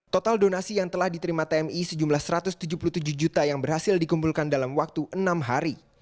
total donasi yang telah diterima tmi sejumlah satu ratus tujuh puluh tujuh juta yang berhasil dikumpulkan dalam waktu enam hari